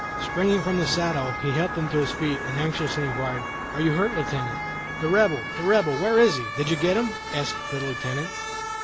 Springing from his saddle, he helped him to his feet, and anxiously inquired, "Are you hurt, Lieutenant?" "The Rebel, the Rebel, where is he? Did you get him?" asked the Lieutenant.